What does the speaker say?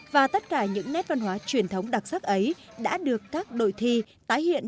và tất cả những nét văn hóa truyền thống đặc sắc ấy đã được các đội thi tái hiện